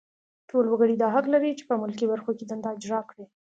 ټول وګړي دا حق لري چې په ملکي برخو کې دنده اجرا کړي.